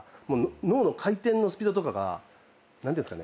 脳の回転のスピードとかが何ていうんすかね？